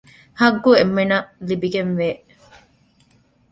ޙައްޤު އެންމެނަށްމެ ލިބިގެންވޭ